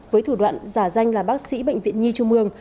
với thủ đoạn giả danh là bác sĩ bệnh viện nhi trung mương